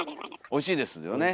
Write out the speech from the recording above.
おいしいですよね。